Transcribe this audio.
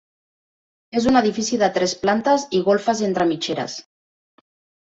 És un edifici de tres plantes i golfes entre mitgeres.